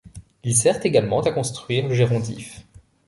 Il sert également à construire le gérondif.